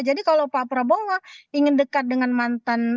jadi kalau pak prabowo ingin dekat dengan mantan